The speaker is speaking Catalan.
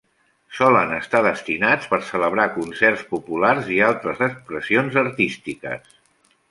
Solen estar destinats per celebrar concerts populars i altres expressions artístiques.